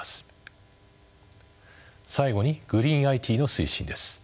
最後にグリーンＩＴの推進です。